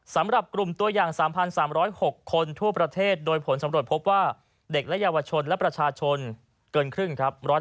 สำหรับกลุ่มตัวอย่าง๓๓๐๖คนทั่วประเทศโดยผลสำรวจพบว่าเด็กและเยาวชนและประชาชนเกินครึ่งครับ